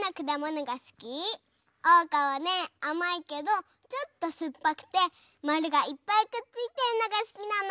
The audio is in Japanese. おうかはねあまいけどちょっとすっぱくてまるがいっぱいくっついてるのがすきなの！